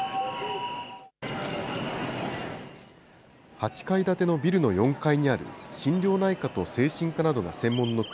８階建てのビルの４階にある心療内科と精神科などが専門のク